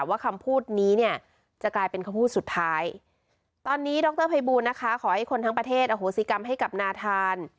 ว่าคำพูดนี้เนี่ยจะกลายเป็นคำพูดสุดท้ายตอนนี้ดรภัยบูลนะคะขอให้คนทั้งประเทศอโหสิกรรมให้กับนาธาน